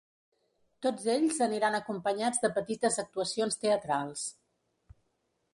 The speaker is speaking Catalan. Tots ells aniran acompanyats de petites actuacions teatrals.